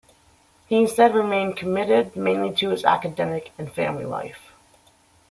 He instead remained committed mainly to his academic and family life.